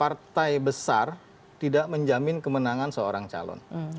partai besar tidak menjamin kemenangan seorang calon